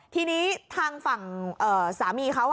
ทีนี้ทางฝั่งสามีเขา